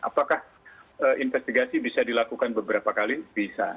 apakah investigasi bisa dilakukan beberapa kali bisa